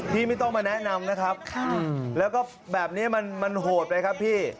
ไม่ต้องมาแนะนำนะครับแล้วก็แบบนี้มันโหดเลยครับพี่